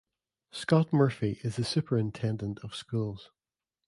Scott Murphy is the Superintendent of Schools.